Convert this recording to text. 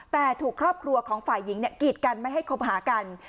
แต่ถูกครอบครัวของฝ่ายหญิงกีดกันไม่ให้คบหากัน